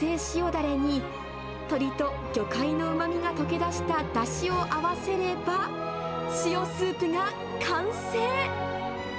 だれに、鶏と魚介のうまみが溶け出しただしを合わせれば、塩スープが完成。